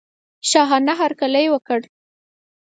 شاهانه هرکلی وکړ.